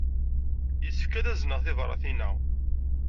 Yessefk ad azneɣ tibṛatin-a.